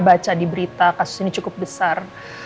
baca di berita kasus ini cukup besar